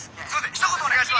ひと言お願いします！」。